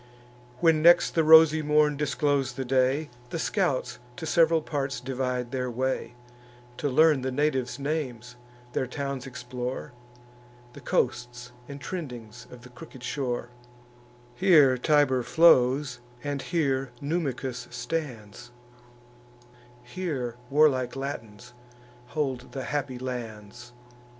When next the rosy morn disclos'd the day, The scouts to sev'ral parts divide their way, To learn the natives' names, their towns explore, The coasts and trendings of the crooked shore: Here Tiber flows, and here Numicus stands; Here warlike Latins hold the happy lands.